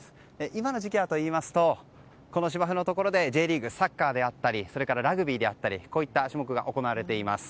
今の時期はといいますと芝生のところでＪリーグ、サッカーであったりラグビーであったりこういった種目が行われています。